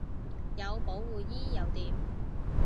有保護衣又點